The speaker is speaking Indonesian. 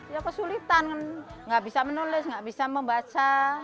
ya kesulitan kan nggak bisa menulis nggak bisa membaca